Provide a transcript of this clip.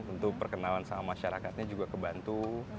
tentu perkenalan sama masyarakatnya juga kebantu